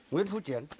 nguyễn phú triển